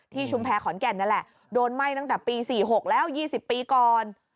ชุมแพรขอนแก่นนั่นแหละโดนไหม้ตั้งแต่ปี๔๖แล้ว๒๐ปีก่อน